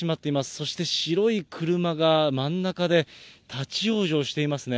そして白い車が真ん中で立ち往生していますね。